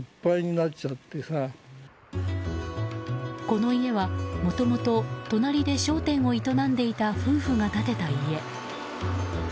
この家はもともと隣で商店を営んでいた夫婦が建てた家。